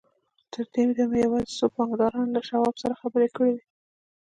تر دې دمه یوازې څو بانکدارانو له شواب سره خبرې کړې وې